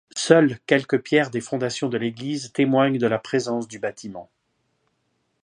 Seules quelques pierres des fondations de l'église témoignent de la présence du bâtiment.